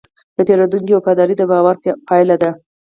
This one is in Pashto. د پیرودونکي وفاداري د باور پايله ده.